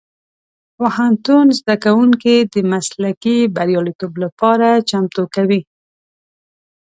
پوهنتون زدهکوونکي د مسلکي بریالیتوب لپاره چمتو کوي.